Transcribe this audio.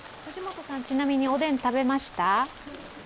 ちなみに、おでん食べました？